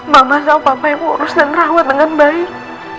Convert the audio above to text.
mama sama papa yang mengurus dan rawat dengan baik